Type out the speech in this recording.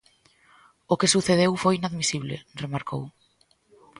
"O que sucedeu foi inadmisíbel", remarcou.